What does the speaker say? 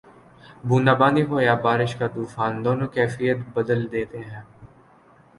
بوندا باندی ہو یا بارش کا طوفان، دونوں کیفیت بدل دیتے ہیں۔